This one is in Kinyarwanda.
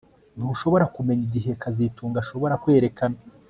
Ntushobora kumenya igihe kazitunga ashobora kwerekana